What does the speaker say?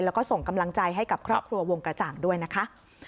แล้วก็ส่งกำลังใจให้กับครอบครัววงกระจ่างด้วยนะคะ